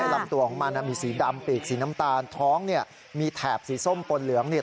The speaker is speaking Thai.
ลำตัวของมันมีสีดำปีกสีน้ำตาลท้องเนี่ยมีแถบสีส้มปนเหลืองเนี่ย